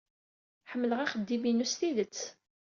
Ḥemmleɣ axeddim-inu s tidet.